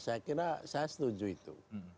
saya kira saya setuju itu